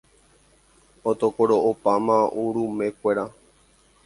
Otokoro'opáma urumekuéra.